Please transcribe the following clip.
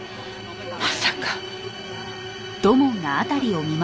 まさか！